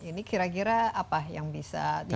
ini kira kira apa yang bisa dilakukan